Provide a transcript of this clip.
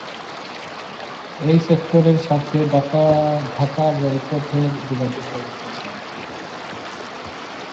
এই সেক্টরের সাথে ঢাকার রেলপথের যোগাযোগ ব্যবস্থা ছিলো।